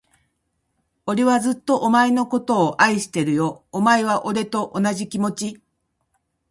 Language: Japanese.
俺はずっと、お前のことを愛してるよ。お前は、俺と同じ気持ち？